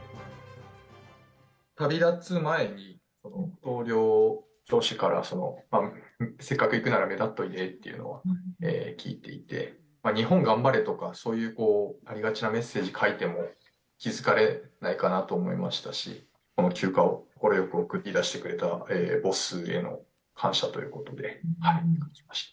旅立つ前に、同僚、上司からせっかく行くなら目立っといでっていうのは聞いていて、日本頑張れとか、そういうありがちなメッセージ書いても気付かれないかなと思いましたし、この休暇を快く送り出してくれたボスへの感謝ということで書きました。